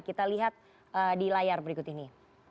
kita lihat di layar berikut ini